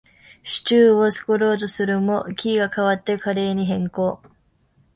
シチューを作ろうとするも、気が変わってカレーに変更